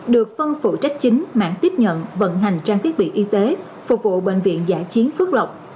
được phân phụ trách chính mảng tiếp nhận vận hành trang thiết bị y tế phục vụ bệnh viện giã chiến phước lộc